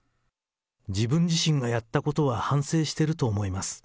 自分自身がやったことは反省してると思います。